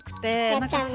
やっちゃうの？